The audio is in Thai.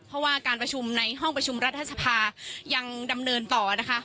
เพราะว่าการประชุมในห้องประชุมรัฐสภายังดำเนินต่อนะคะ